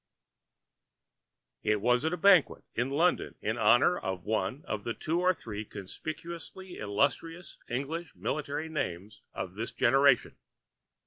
It was at a banquet in London in honour of one of the two or three conspicuously illustrious English military names of this generation.